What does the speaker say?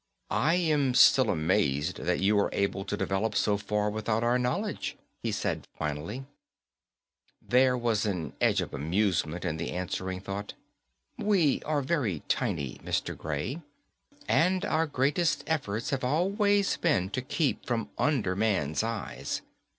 "I am still amazed that you were able to develop so far without our knowledge," he said finally. There was an edge of amusement in the answering thought. _We are very tiny, Mr. Gray. And our greatest efforts have always been to keep from under man's eyes.